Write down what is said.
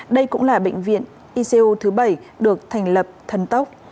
đây cũng là bệnh viện ico thứ bảy được thành lập thân tốc